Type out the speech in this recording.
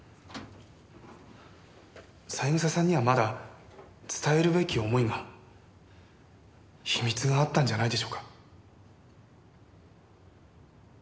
三枝さんにはまだ伝えるべき思いが秘密があったんじゃないでしょうか。